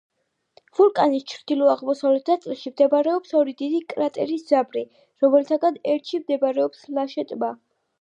ვულკანის ჩრდილო-აღმოსავლეთ ნაწილში მდებარეობს ორი დიდი კრატერის ძაბრი, რომელთაგან ერთში მდებარეობს მლაშე ტბა.